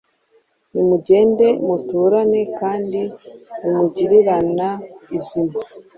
Nimugende muturane kandi nimugirirana izima